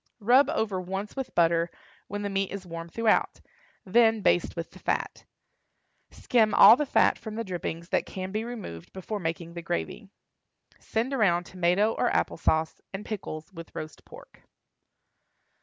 Rub over once with butter, when the meat is warm throughout; then baste with the fat. Skim all the fat from the drippings that can be removed before making the gravy. Send around tomato or apple sauce, and pickles, with roast pork.